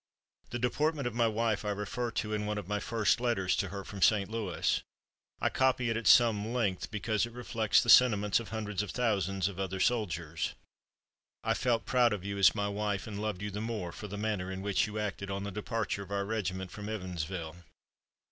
The deportment of my wife I refer to in one of my first letters to her from St. Louis. I copy it at some length because it reflects the sentiments of hundreds of thousands of other soldiers: "I felt proud of you as my wife and loved you the more for the manner in which you acted on the departure of our regiment from Evansville.